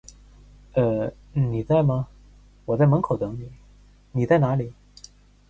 呃…你在吗，我在门口等你，你在哪里？